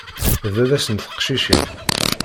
D baba-s n teqcicin.